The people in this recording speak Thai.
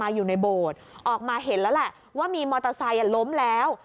อยู่ในโบสถ์ออกมาเห็นแล้วแหละว่ามีมอเตอร์ไซค์ล้มแล้ว